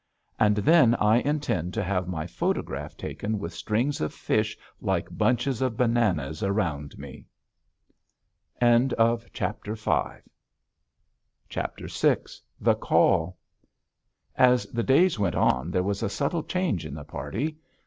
And then I intend to have my photograph taken with strings of fish like bunches of bananas around me. VI THE CALL As the days went on there was a subtle change in the party.